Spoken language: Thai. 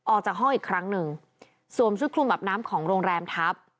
ออกจากห้องอีกครั้งหนึ่งสวมชุดคลุมแบบน้ำของโรงแรมทัพ